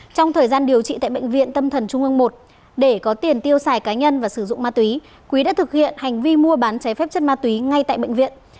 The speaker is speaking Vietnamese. trong thời gian điều trị tại bệnh viện tâm thần trung ương một để có tiền tiêu xài cá nhân và sử dụng ma túy quý đã thực hiện hành vi mua bán cháy phép chất ma túy ngay tại bệnh viện